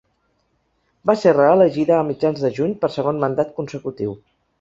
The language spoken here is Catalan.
Va ser reelegida a mitjans de juny per segon mandat consecutiu.